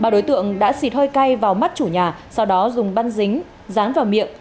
ba đối tượng đã xịt hơi cay vào mắt chủ nhà sau đó dùng băn dính rán vào miệng